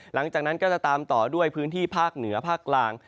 หลังจากนั้นก็จะตามต่อด้วยพื้นที่ภาคเหนือภาคกลาง